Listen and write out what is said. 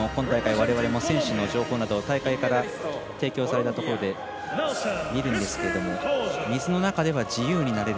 われわれの選手の情報など大会から提供されたところで見るんですけれども水の中では自由になれる。